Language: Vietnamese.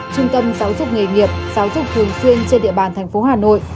trung tâm giáo dục nghề nghiệp giáo dục thường xuyên trên địa bàn thành phố hà nội